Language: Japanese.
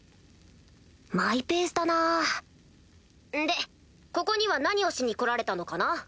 マイペースだなでここには何をしに来られたのかな？